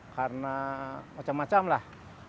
karena macam macam lah